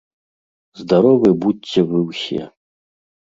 Здаровы будзьце вы ўсе!